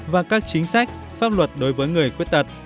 và các chính sách pháp luật đối với người khuyết tật